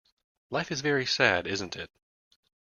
Life is very sad, isn't it?